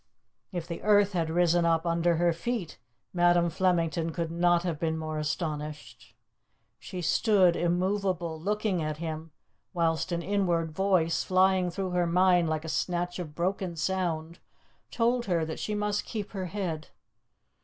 If the earth had risen up under her feet Madam Flemington could not have been more astonished. She stood immovable, looking at him, whilst an inward voice, flying through her mind like a snatch of broken sound, told her that she must keep her head.